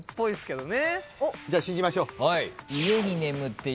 じゃあ信じましょう。